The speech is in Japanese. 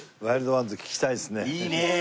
いいねえ。